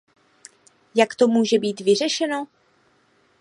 Jak to může být vyřešeno?